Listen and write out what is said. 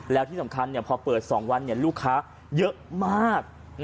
แล้วที่สำคัญพอเปิด๒วันลูกค้าเยอะมาก